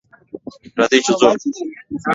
راځئ چې ځو!